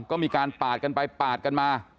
ก็มีการปาดกันไปปาดกันมา